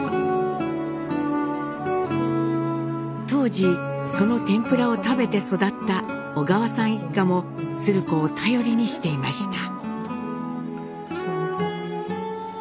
当時その天ぷらを食べて育った小川さん一家も鶴子を頼りにしていました。